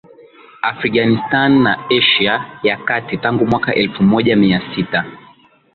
Afghanistan na Asia ya Kati Tangu mwaka elfu moja mia sita